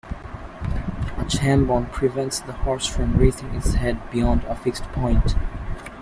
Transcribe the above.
A chambon prevents the horse from raising its head beyond a fixed point.